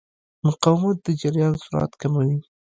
مقاومت د جریان سرعت کموي.